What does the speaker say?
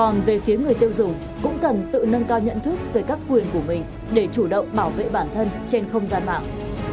những người tiêu dùng cũng cần tự nâng cao nhận thức về các quyền của mình để chủ động bảo vệ bản thân trên không gian mạng